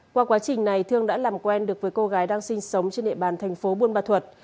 qua quá trình này thương đã làm quen được với cô gái đang sinh sống trên địa bàn thành phố buôn ma thuật